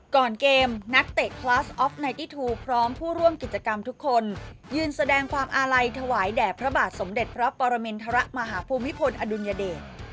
ก่อนเกมนักเตะคลาสออฟไนตี้ทูพร้อมผู้ร่วมกิจกรรมทุกคนยืนแสดงความอาลัยถวายแด่พระบาทสมเด็จพระปรมินทรมาหาภูมิพลอดุลยเดช